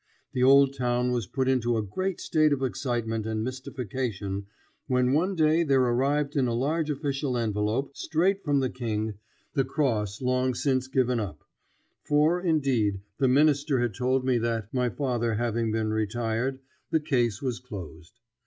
The old town was put into a great state of excitement and mystification when one day there arrived in a large official envelope, straight from the King, the cross long since given up; for, indeed, the Minister had told me that, my father having been retired, the case was closed.